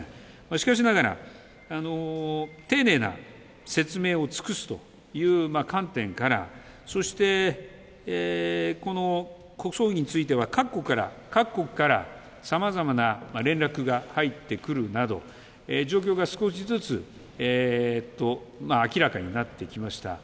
しかしながら、丁寧な説明を尽くすという観点からそして、この国葬儀については各国からさまざまな連絡が入ってくるなど状況が少しずつ明らかになってきました。